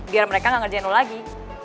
biar mereka gak ngerjain lo lagi